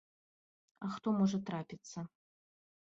А хто можа трапіцца.